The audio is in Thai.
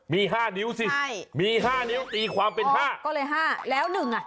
มี๕นิ้วสิมี๕นิ้วตีความเป็น๕ก็เลย๕แล้ว๑อ่ะ